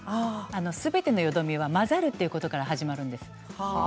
すべてのよどみは交ざるということから始まるんです。